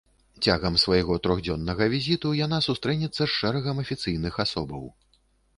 Цягам свайго трохдзённага візіту яна сустрэнецца з шэрагам афіцыйных асобаў.